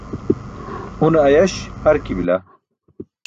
Une ayaś harki bila.